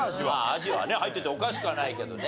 アジはね入ってておかしくはないけどね。